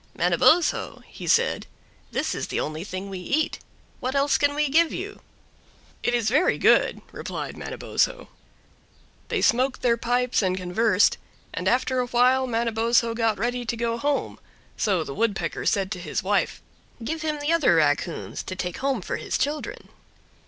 "Manabozho," he said, "this is the only thing we eat; what else can we give you?" "It is very good," replied Manabozho. They smoked their pipes and conversed, and after a while Manabozho got ready to go home, so the Woodpecker said to his wife, "Give him the Other raccoons to take home for his children."